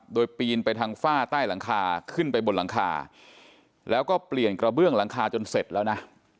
โดยปีนไปทางฝ้าใต้หลังคาขึ้นไปบนหลังคาแล้วก็เปลี่ยนกระเบื้องหลังคาจนเสร็จแล้วนะ